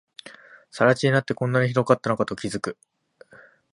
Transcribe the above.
更地になって、こんなに広かったのかと気づく